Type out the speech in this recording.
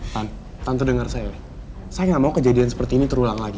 tante dengar saya saya nggak mau kejadian seperti ini terulang lagi